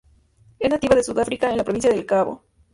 Es nativa de Sudáfrica en la Provincia del Cabo.